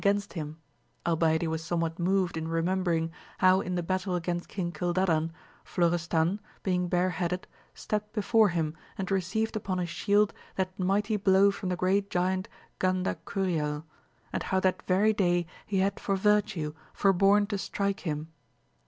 195 against him, albeit he was somewhat moved in re membering how in the battle against King Cildadan, Florestan, being bareheaded, stept before him and received upon his shield that mighty blow from the great Giant Gandacuriel, and how that very day he had for virtue forborne to strike him.